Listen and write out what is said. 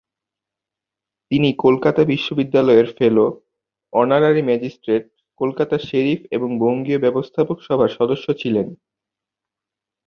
তিনি কলকাতা বিশ্ববিদ্যালয়ের fellow, honorary magistrate, কলকাতার শেরিফ এবং বঙ্গীয় ব্যবস্থাপক সভার সদস্য ছিলেন।